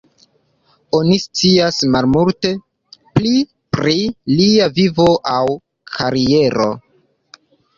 Oni scias malmulte pli pri lia vivo aŭ kariero.